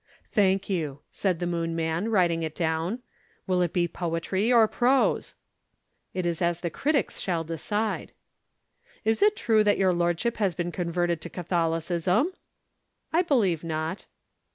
"Thank you," said the Moon man, writing it down. "Will it be poetry or prose?" "That is as the critics shall decide." "Is it true that your lordship has been converted to Catholicism?" "I believe not."